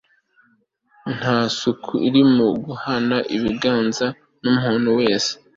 Nta suku iri mu guhana ibiganza numuntu wese